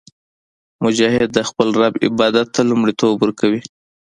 مجاهد د خپل رب عبادت ته لومړیتوب ورکوي.